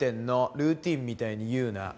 ルーティーンみたいに言うな。